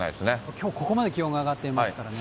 きょうここまで気温が上がっていますからね。